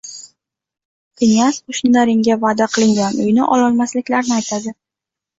Knyaz qoʻshnilaringga vaʼda qilingan uyni ololmasliklarini aytadi.